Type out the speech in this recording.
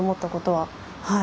はい。